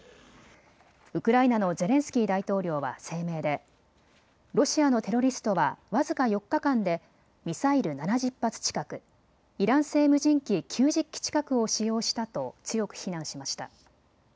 ウクライナのゼレンスキー大統領は声明でロシアのテロリストは僅か４日間でミサイル７０発近く、イラン製無人機９０機近くを使用したと強く非難しました。